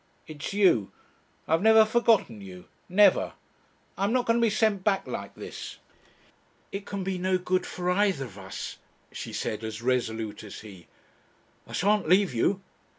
It's you. I've never forgotten you. Never. I'm not going to be sent back like this." "It can be no good for either of us," she said as resolute as he. "I shan't leave you."